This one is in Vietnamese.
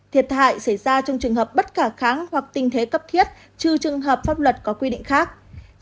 hai thiệt hại xảy ra trong trường hợp bất khả kháng hoặc tình thế cấp thiết chứ trường hợp pháp luật có quy định khác